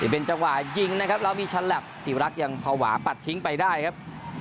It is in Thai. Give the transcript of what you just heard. เป็นจังหวะยิงนะครับแล้วมีชั้นแหลปศรีวรักษ์ยังภาวะปัดทิ้งไปได้ครับ